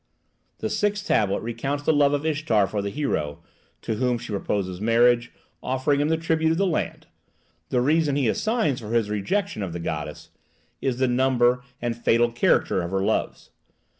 The sixth tablet recounts the love of Ishtar for the hero, to whom she proposes marriage, offering him the tribute of the land. The reason he assigns for his rejection of the goddess is the number and fatal character of her loves.